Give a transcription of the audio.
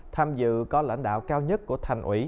tham dự có lãnh đạo cao nhất của thành ủy